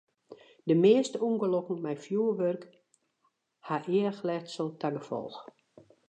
De measte ûngelokken mei fjurwurk ha eachletsel ta gefolch.